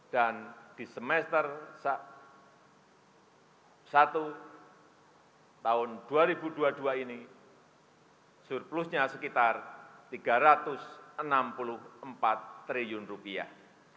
dan di semester satu tahun dua ribu dua puluh dua ini surplusnya sekitar rp tiga ratus enam puluh empat triliun